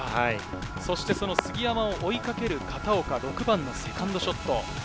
その杉山を追いかける片岡、６番のセカンドショット。